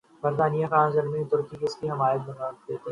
برطانیہ، France, Germany اور ترکی نے اس کی حمایت میں بیانات دیے۔